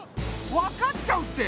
分かっちゃうって。